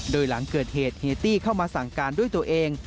โดยหลังเกิดเหตุเฮตี้เข้ามาสั่งการด้วยตัวเอง